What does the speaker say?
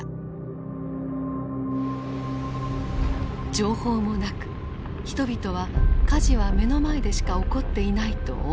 情報もなく人々は火事は目の前でしか起こっていないと思い込んでいた。